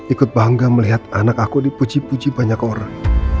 ikut bangga melihat anak aku dipuji puji banyak orang